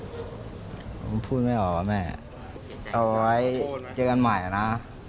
ผมพูดไม่ออกว่าแม่เอาไว้เจอกันใหม่นะ